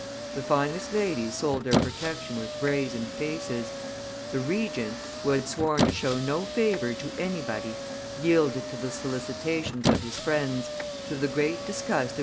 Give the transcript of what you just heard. The finest ladies sold their protection with brazen faces; the Regent, who had sworn to show no favor to anybody, yielded to the solicitations of his friends, to the great disgust of M.